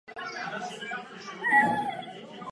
Létá také z letiště Porto.